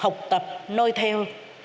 học tập nói theo